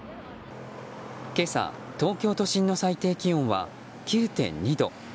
今朝、東京都心の最低気温は９．２度。